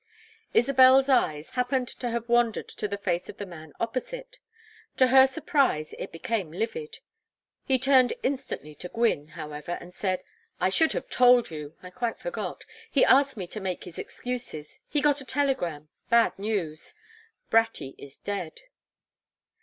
Isabel's eyes happened to have wandered to the face of the man opposite. To her surprise it became livid. He turned instantly to Gwynne, however, and said: "I should have told you I quite forgot he asked me to make his excuses. He got a telegram bad news Bratty is dead."